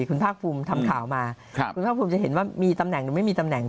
คุณภาคภูมิทำข่าวมาคุณภาคภูมิจะเห็นว่ามีตำแหน่งหรือไม่มีตำแหน่ง